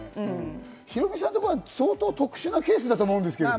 ヒロミさんのところは相当特殊なケースだと思うんですけど。